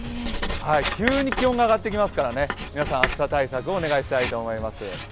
急に気温が上がっていきますから、皆さん、暑さ対策をお願いしたいと思います。